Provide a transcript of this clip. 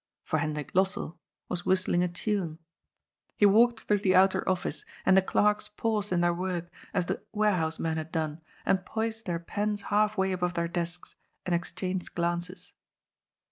For Hendrik Lossell was whistling a tune. He walked 22 338 GOD'S FOOL. {hrongh the outer office, and the clerks paused in their work, as the warehouse men had done, and poised their pens half way above their desks, and exchanged glances.